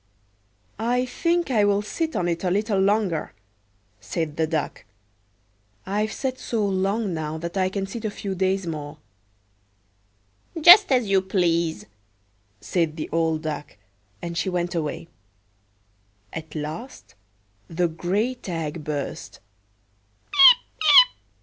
"I think I will sit on it a little longer," said the Duck. "I've sat so long now that I can sit a few days more.""Just as you please," said the old Duck; and she went away.At last the great egg burst.